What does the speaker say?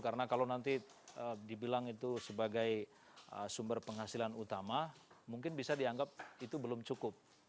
karena kalau nanti dibilang itu sebagai sumber penghasilan utama mungkin bisa dianggap itu belum cukup